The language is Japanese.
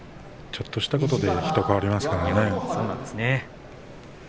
ちょっとしたことで人は変わりますからね。